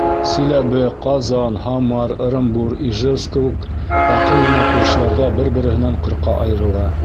Силәбе, Ҡазан, Һамар, Ырымбур, Ижевск кеүек яҡын ғына күршеләр ҙә бер-береһенән ҡырҡа айырыла.